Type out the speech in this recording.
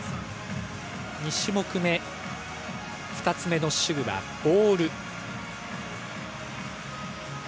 ２種目目、２つ目の手具はボール。